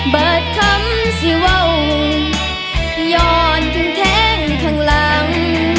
เบิดคำสิเว้ายอดทึ่งแทงข้างหลัง